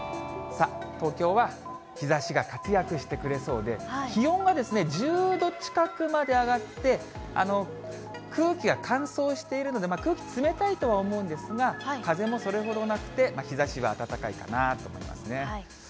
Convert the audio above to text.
さあ、東京は日ざしが活躍してくれそうで、気温が１０度近くまで上がって、空気が乾燥しているので、空気冷たいとは思うんですが、風もそれほどなくて、日ざしは暖かいかなと思いますね。